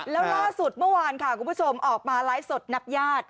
แล้วล่าสุดเมื่อวานค่ะคุณผู้ชมออกมาไลฟ์สดนับญาติ